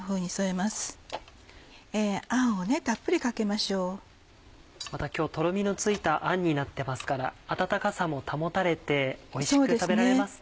また今日トロミのついたあんになってますから温かさも保たれておいしく食べられますね。